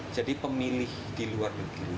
jadi pemilih di luar negeri